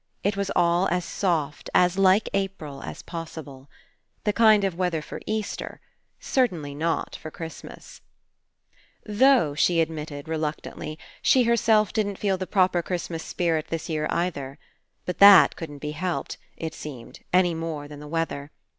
It was all as soft, as like April, as possible. The kind of weather for Easter. Cer tainly not for Christmas. 153 PASSING Though, she admitted, reluctantly, she herself didn't feel the proper Christmas spirit this year, either. But that couldn't be helped, it seemed, any more than the weather.